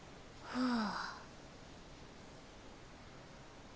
ああ。